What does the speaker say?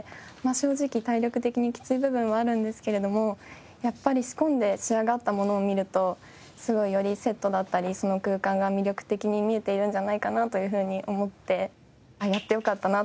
正直体力的にきつい部分はあるんですけれどもやっぱり仕込んで仕上がったものを見るとすごいよりセットだったりその空間が魅力的に見えているんじゃないかなというふうに思って。